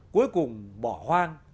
cuối cùng bỏ hoang